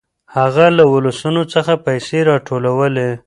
هغه له ولسونو څخه پيسې راټولولې.